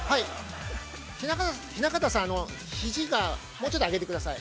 ◆雛形さん、ひじがもうちょっと上げてください。